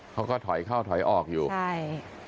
เขาก็ถอยเข้าถอยออกอยู่ใช่